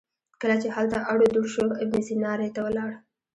کله چې هلته اړو دوړ شو ابن سینا ري ته ولاړ.